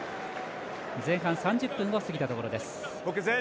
前半３０分を過ぎたところです。